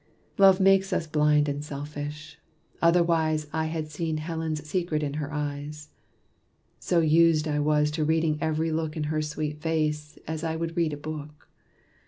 Love makes us blind and selfish: otherwise I had seen Helen's secret in her eyes; So used I was to reading every look In her sweet face, as I would read a book.